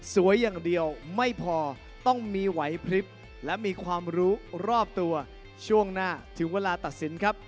อย่างเดียวไม่พอต้องมีไหวพลิบและมีความรู้รอบตัวช่วงหน้าถึงเวลาตัดสินครับ